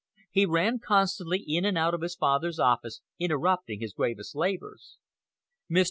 He ran constantly in and out of his father's office, interrupting his gravest labors. Mr.